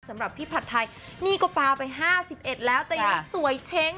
สำหรับพี่ผัดไทยนี่ก็ปลาไป๕๑แล้วแต่ยังสวยเช้ง